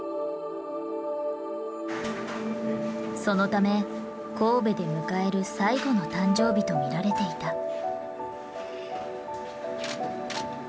そのため神戸で迎える最後の誕生日と見られていた。